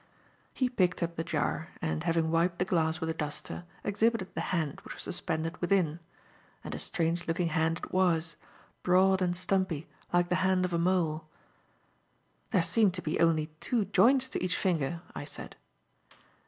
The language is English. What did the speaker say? He picked up the jar, and, having wiped the glass with a duster, exhibited the hand which was suspended within; and a strange looking hand it was; broad and stumpy, like the hand of a mole. "There seem to be only two joints to each finger," I said.